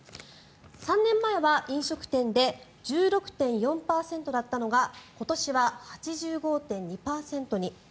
３年前は飲食店で１６．４％だったのが今年は８５．２％に。